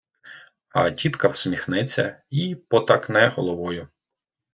А тітка всміхнеться й потакне головою.